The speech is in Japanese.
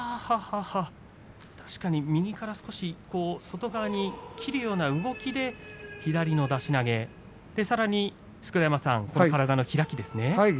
確かに右から少し外側に切るような動きで左の出し投げさらに、錣山さん体の開きですね。